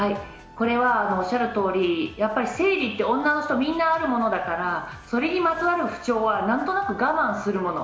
これはおっしゃるとおり生理って女の人、みんなあるものだからそれにまつわる不調は何となく我慢するもの